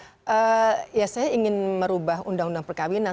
ya saya ingin merubah undang undang perkawinan